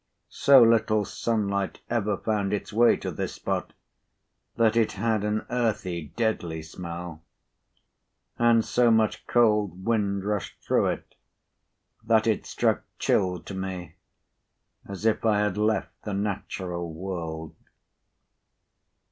So little sunlight ever found its way to this spot, that it had an earthy deadly smell; and so much cold wind rushed through it, that it struck chill to me, as if I had left the natural world.